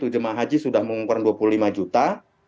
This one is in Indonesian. jemaah haji sudah mengumpulkan rp dua puluh lima juta